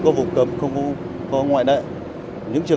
của nhiều người